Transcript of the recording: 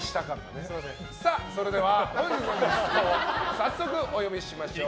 それでは本日のゲスト早速お呼びしましょう。